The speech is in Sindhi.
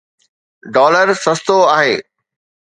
ڊالر سستو آهي.